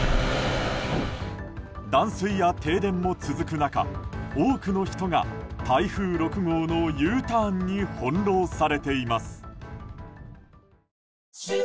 断水や停電も続く中多くの人が台風６号のＵターンに翻弄されています。